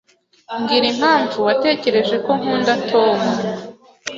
Mbwira impamvu watekereje ko ntakunda Tom.